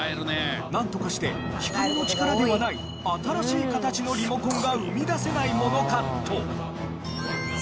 なんとかして光の力ではない新しい形のリモコンが生み出せないものかと。